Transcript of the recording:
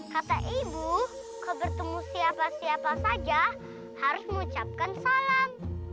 kata ibu kalau bertemu siapa siapa saja harus mengucapkan salam